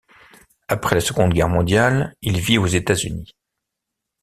Après la Seconde Guerre mondiale, il vit aux États-Unis.